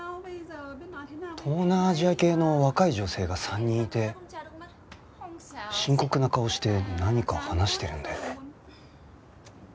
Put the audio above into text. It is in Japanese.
東南アジア系の若い女性が３人いて深刻な顔して何か話してるんだよね。